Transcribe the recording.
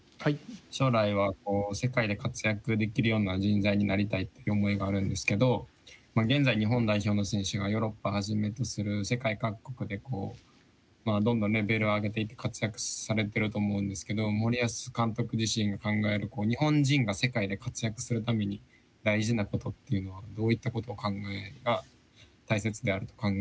将来は世界で活躍できるような人材になりたいっていう思いがあるんですけど現在日本代表の選手がヨーロッパをはじめとする世界各国でどんどんレベルを上げていって活躍されてると思うんですけど森保監督自身が考える日本人が世界で活躍するために大事なことっていうのはどういったこと考えが大切であると考えられてますか？